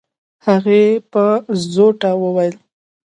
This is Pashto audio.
هغې په زوټه وويل.